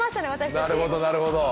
なるほどなるほど。